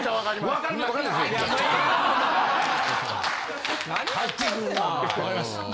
わかります！